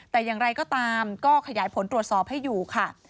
แต่อย่างไรก็ตามก็ขยายผลตรวจสอบให้อยู่ค่ะ